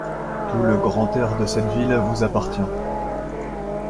Tout le grand air de cette ville vous appartient.